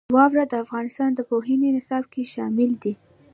واوره د افغانستان د پوهنې نصاب کې شامل دي.